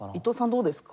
どうですか？